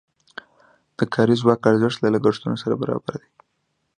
د کاري ځواک ارزښت له لګښتونو سره برابر دی.